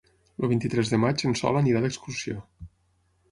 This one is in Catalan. El vint-i-tres de maig en Sol anirà d'excursió.